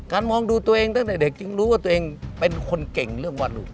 มองดูตัวเองตั้งแต่เด็กจึงรู้ว่าตัวเองเป็นคนเก่งเรื่องวาดลูก